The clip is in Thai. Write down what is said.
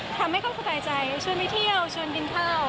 ทำให้เขาสบายใจชวนไปเที่ยวชวนกินข้าว